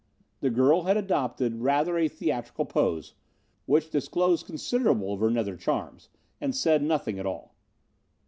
The girl had adopted rather a theatrical pose, which disclosed considerable of her nether charms, and said nothing at all.